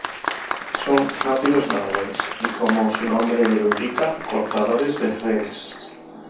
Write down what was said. Son rápidos nadadores y como su nombre lo indica "cortadores de redes".